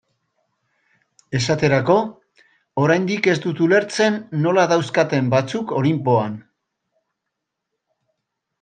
Esaterako, oraindik ez dut ulertzen nola dauzkaten batzuk Olinpoan.